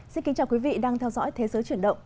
xin kính chào quý vị đang theo dõi thế giới chuyển động